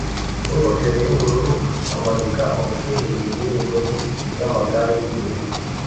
n'ingofero yubururu amanika umutwe hejuru yimigozi yamagare yubururu